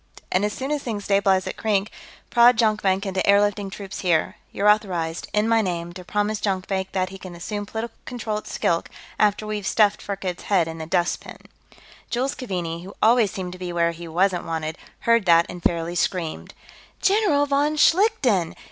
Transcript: And as soon as things stabilize at Krink, prod Jonkvank into airlifting troops here. You're authorized, in my name, to promise Jonkvank that he can assume political control at Skilk, after we've stuffed Firkked's head in the dustbin." Jules Keaveney, who always seemed to be where he wasn't wanted, heard that and fairly screamed. "General von Schlichten!